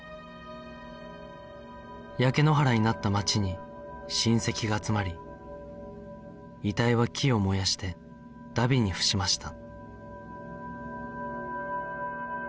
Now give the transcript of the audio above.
焼け野原になった街に親戚が集まり遺体は木を燃やして荼毘に付しました